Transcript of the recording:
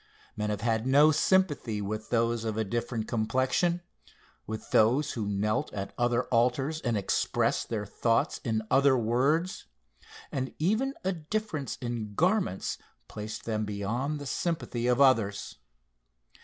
Men have had no sympathy with those of a different complexion, with those who knelt at other altars and expressed their thoughts in other words and even a difference in garments placed them beyond the sympathy of others.